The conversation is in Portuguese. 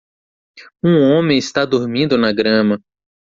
Um homem está dormindo na grama.